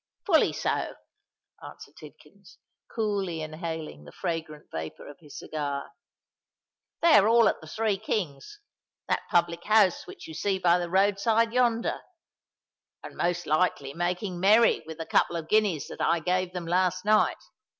"Fully so," answered Tidkins, coolly inhaling the fragrant vapour of his cigar. "They are all at the Three Kings—that public house which you see by the road side yonder,—and most likely making merry with the couple of guineas that I gave them last night.